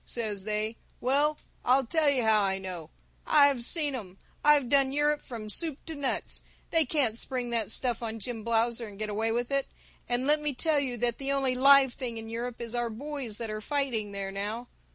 says they. Well I'll tell you how I know! I've seen 'em! I've done Europe from soup to nuts! They can't spring that stuff on Jim Blausser and get away with it! And let me tell you that the only live thing in Europe is our boys that are fighting there now!